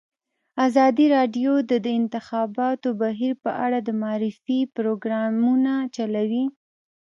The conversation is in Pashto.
ازادي راډیو د د انتخاباتو بهیر په اړه د معارفې پروګرامونه چلولي.